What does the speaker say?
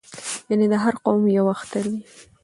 یعنې د هر قوم یو اختر وي